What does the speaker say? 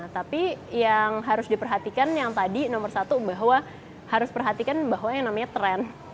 tapi yang harus diperhatikan yang tadi nomor satu bahwa harus perhatikan bahwa yang namanya tren